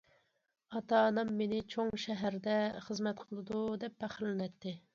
ئاتا- ئانام مېنى چوڭ شەھەردە خىزمەت قىلىدۇ دەپ پەخىرلىنەتتى.